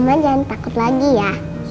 cuman jangan takut lagi ya